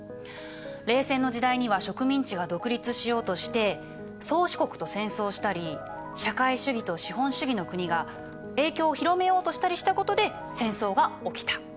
冷戦の時代には植民地が独立しようとして宗主国と戦争したり社会主義と資本主義の国が影響を広めようとしたりしたことで戦争が起きた。